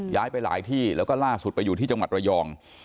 ย้ายไปหลายที่แล้วก็ล่าสุดไปอยู่ที่จังหวัดระยอง